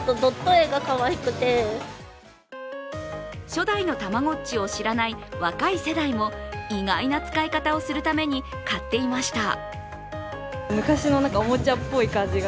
初代のたまごっちを知らない若い世代も意外な使い方をするために買っていました。